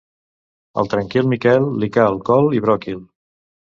Al tranquil Miquel li cal col i bròquil.